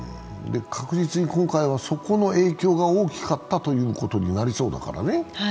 確実に今回はそこの影響が大きかったということになりそうだからね。